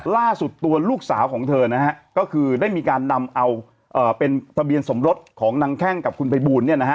ล่าสุดตัวลูกสาวของเธอนะฮะก็คือได้มีการนำเอาเป็นทะเบียนสมรสของนางแข้งกับคุณภัยบูลเนี่ยนะฮะ